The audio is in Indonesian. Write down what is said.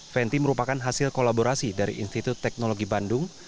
venti merupakan hasil kolaborasi dari institut teknologi bandung